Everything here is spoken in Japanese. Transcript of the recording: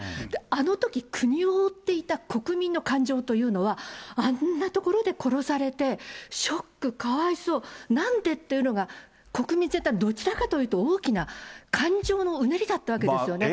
あのとき国を覆っていた国民の感情というのは、あんな所で殺されて、ショック、かわいそう、なんでっていうのが、国民全体、どちらかというと感情のうねりだったわけですよね。